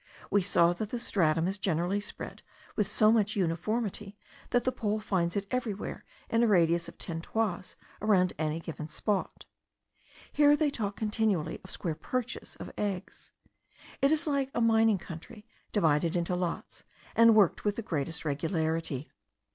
We saw that the stratum is generally spread with so much uniformity, that the pole finds it everywhere in a radius of ten toises around any given spot. Here they talk continually of square perches of eggs; it is like a mining country, divided into lots, and worked with the greatest regularity.